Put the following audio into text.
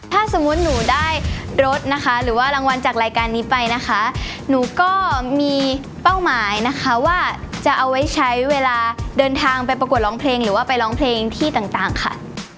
ถ้าสมมุติหนูได้รถนะคะหรือว่ารางวัลจากรายการนี้ไปนะคะหนูก็มีเป้าหมายนะคะว่าจะเอาไว้ใช้เวลาเดินทางไปประกวดร้องเพลงหรือว่าไปร้องเพลงที่ต่างค่ะ